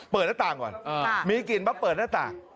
หน้าต่างก่อนมีกลิ่นมาเปิดหน้าต่าง